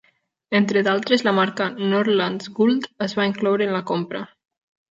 Entre d'altres, la marca Norrlands Guld es va incloure en la compra.